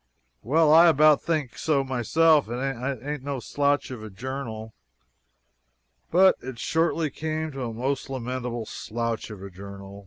"Well, I about half think so, myself. It ain't no slouch of a journal." But it shortly became a most lamentable "slouch of a journal."